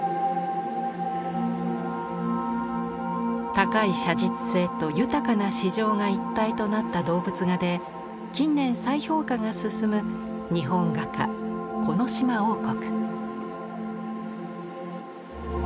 高い写実性と豊かな詩情が一体となった動物画で近年再評価が進む日本画家木島櫻谷。